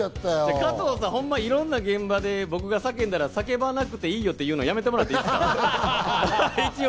加藤さん、いろんな現場で僕が叫んだら、叫ばなくていいよっていうのやめてもらえます？